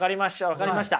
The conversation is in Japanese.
分かりました。